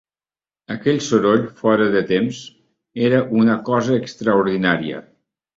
Aquell soroll fora de temps, era una cosa extraordinària.